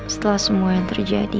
setelah semua yang terjadi